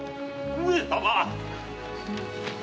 上様！